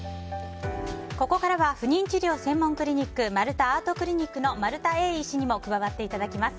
ここからは不妊治療専門クリニックまるたＡＲＴクリニックの丸田英医師にも加わっていただきます。